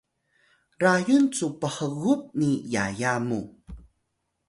rayun cu phgup ni yaya mu